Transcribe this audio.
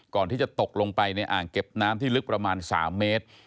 ตกลงไปในอ่างเก็บน้ำที่ลึกประมาณ๓เมตร